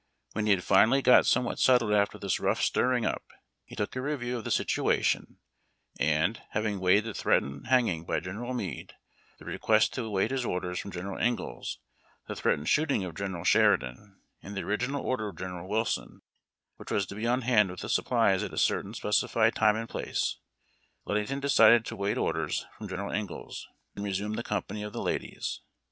When he had finally got somewhat settled after this rough stirring up, he took a review of the situation, and, having weighed the threatened hanging by General Meade, the request to await his orders from General Ingalls, the threatened shooting of General Sheridan, and the original order of General Wilson, which was to be on hand with the supplies at a certain specified time and place, Ludington decided to await orders from General Ingalls, and resumed the company of the ladies.